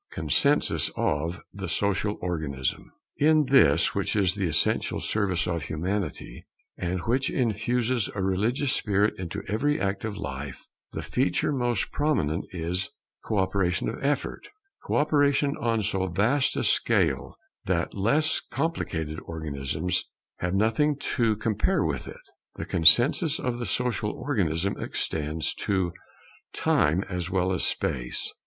[Consensus of the social organism] In this, which is the essential service of Humanity, and which infuses a religious spirit into every act of life, the feature most prominent is co operation of effort; co operation on so vast a scale that less complicated organisms have nothing to compare with it. The consensus of the social organism extends to Time as well as Space.